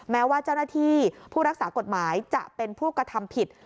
แม้ว่าเจ้าหน้าที่ผู้รักษากฎหมายจะเป็นผู้กระทำผิด